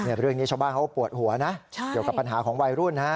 เรื่องนี้ชาวบ้านเขาปวดหัวนะเกี่ยวกับปัญหาของวัยรุ่นฮะ